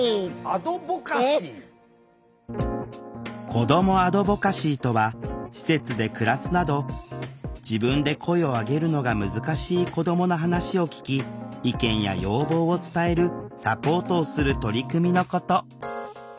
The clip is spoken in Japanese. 子どもアドボカシーとは施設で暮らすなど自分で声を上げるのが難しい子どもの話を聴き意見や要望を伝えるサポートをする取り組みのこと。